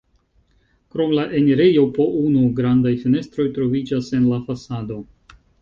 Krom la enirejo po unu grandaj fenestroj troviĝas en la fasado.